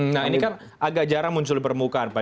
nah ini kan agak jarang muncul di permukaan pak